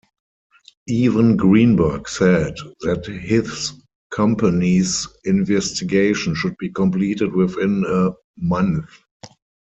Evan Greenberg said that his company's investigation should be completed within a month.